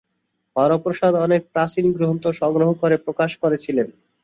হরপ্রসাদ অনেক প্রাচীন গ্রন্থ সংগ্রহ করে প্রকাশ করেছিলেন।